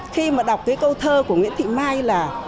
khi mà đọc cái câu thơ của nguyễn thị mai là